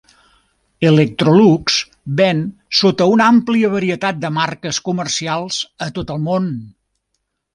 Electrolux ven sota una àmplia varietat de marques comercials a tot el món.